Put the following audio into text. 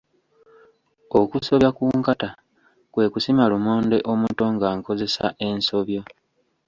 Okusobya ku nkata kwe kusima lumonde omuto nga nkozesa ensobyo.